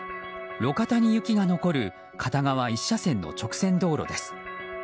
路肩に雪が残る片側１車線の直線道路です。